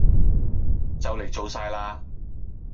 就嚟做晒喇